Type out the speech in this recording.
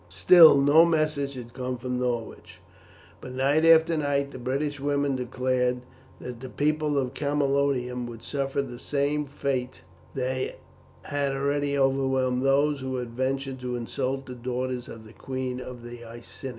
Still no message had come from Norwich, but night after night the British women declared that the people of Camalodunum would suffer the same fate that had already overwhelmed those who had ventured to insult the daughters of the queen of the Iceni.